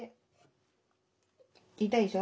痛いでしょ。